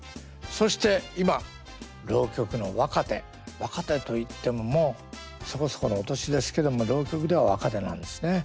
そして今浪曲の若手若手といってももうそこそこのお年ですけども浪曲では若手なんですね。